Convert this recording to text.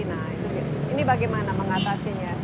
nah ini bagaimana mengatasinya